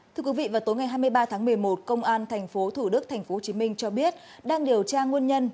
thưa quý vị vào tối ngày hai mươi ba tháng một mươi một công an tp thủ đức tp hcm cho biết đang điều tra nguồn nhân